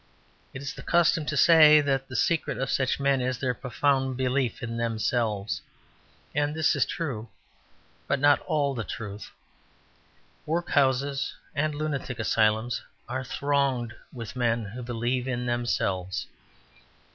It is the custom to say that the secret of such men is their profound belief in themselves, and this is true, but not all the truth. Workhouses and lunatic asylums are thronged with men who believe in themselves.